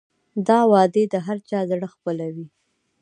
دا وعدې د هر چا زړه خپلوي.